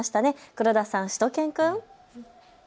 黒田さん、しゅと犬くん。